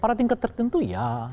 pada tingkat tertentu ya